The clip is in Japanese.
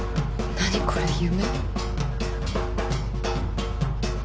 何これ夢？